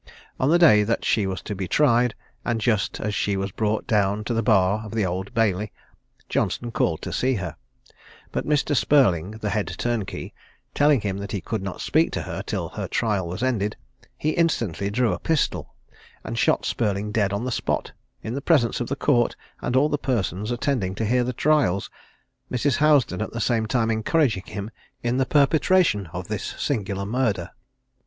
On the day that she was to be tried, and just as she was brought down to the bar of the Old Bailey, Johnson called to see her; but Mr. Spurling, the head turnkey, telling him that he could not speak to her till her trial was ended, he instantly drew a pistol, and shot Spurling dead on the spot, in the presence of the court and all the persons attending to hear the trials, Mrs. Housden at the same time encouraging him in the perpetration of this singular murder.